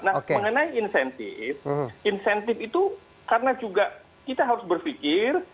nah mengenai insentif insentif itu karena juga kita harus berpikir